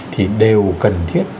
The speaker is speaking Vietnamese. thì đều cần thiết